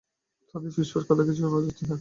তাদের ফিসফাস কথা কিছু-কিছু শোনা যাচ্ছে।